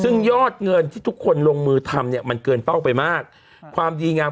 ซึ่งยอดเงินที่ทุกคนลงมือทำเนี่ยมันเกินเป้าไปมากความดีงาม